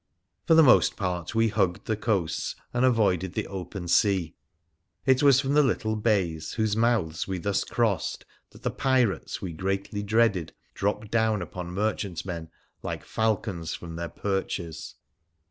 For the most part we hugged the coasts and avoided the open sea. It was from the little bays, whose mouths we thus crossed, that the pirates we greatly dreaded dropped down upon merchantmen, like falcons from their perches.